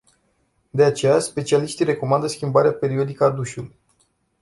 De aceea, specialiștii recomandă schimbarea periodică a dușului.